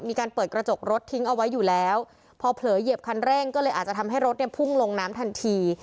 มีการเปิดกระจกรถทิ้งเอาไว้อยู่แล้วพอเผลอเหยียบคันเร่งก็เลยอาจจะทำให้รถเนี่ยพุ่งลงน้ำทันที